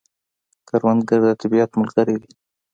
کروندګر د طبیعت ملګری دی